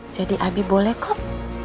jadi abi boleh kok